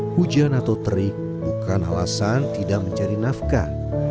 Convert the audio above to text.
hujan atau terik bukan alasan tidak mencari nafkah